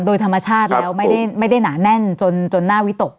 โดยธรรมชาติแล้วไม่ได้หนาแน่นจนหน้าวิตก